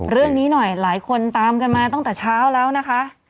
เรื่องนี้หน่อยหลายคนตามกันมาตั้งแต่เช้าแล้วนะคะ